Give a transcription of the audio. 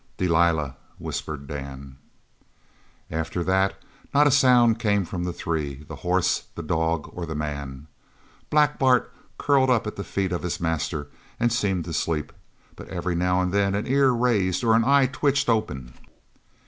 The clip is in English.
"Delilah!" whispered Dan. After that not a sound came from the three, the horse, the dog, or the man. Black Bart curled up at the feet of his master and seemed to sleep, but every now and then an ear raised or an eye twitched open.